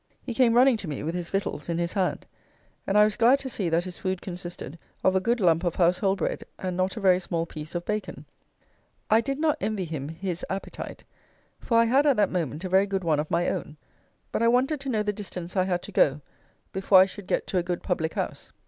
He came running to me with his victuals in his hand; and I was glad to see that his food consisted of a good lump of household bread and not a very small piece of bacon. I did not envy him his appetite, for I had at that moment a very good one of my own; but I wanted to know the distance I had to go before I should get to a good public house.